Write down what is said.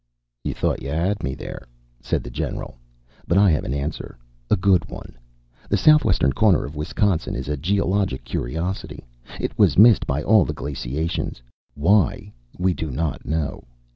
"You thought you had me there," said the general, "but I have an answer. A good one. The southwestern corner of Wisconsin is a geologic curiosity. It was missed by all the glaciations. Why, we do not know.